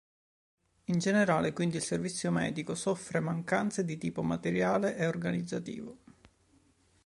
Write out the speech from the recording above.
In generale quindi il servizio medico soffre mancanze di tipo materiale e organizzativo.